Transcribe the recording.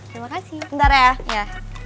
terima kasih ntar ya